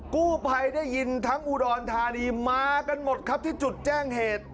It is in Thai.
กู้ภัยได้ยินทั้งอุดรธานีมากันหมดครับที่จุดแจ้งเหตุ